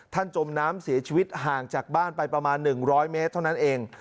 จมน้ำเสียชีวิตห่างจากบ้านไปประมาณ๑๐๐เมตรเท่านั้นเอง